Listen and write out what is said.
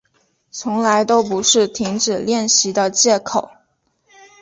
从来都不是停止练习的借口